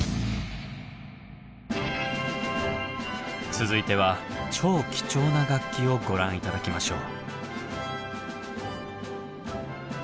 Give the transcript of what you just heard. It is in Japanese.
続いては超貴重な楽器をご覧頂きましょう。